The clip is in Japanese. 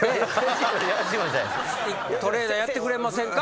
トレーナーやってくれませんか？